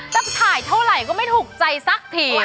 ถ่ายเท่าไหร่ก็ไม่ถูกใจสักที